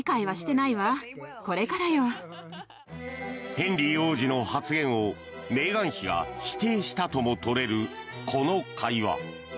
ヘンリー王子の発言をメーガン妃が否定したとも取れるこの会話。